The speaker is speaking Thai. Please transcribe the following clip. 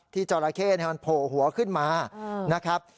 ที่จอละเข้โผ่หัวขึ้นมานะครับ